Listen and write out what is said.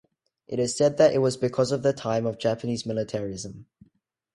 It is said that it was because of the time of Japanese militarism.